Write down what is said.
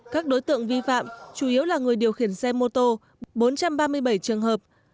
các đối tượng vi phạm chủ yếu là người điều khiển xe mô tô bốn trăm ba mươi bảy trường hợp